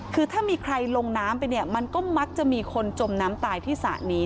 คือถ้ามีใครลงน้ำไปเนี่ยมันก็มักจะมีคนจมน้ำตายที่สระนี้